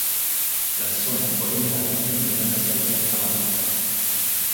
Las zonas oriental y meridional se habían abandonado.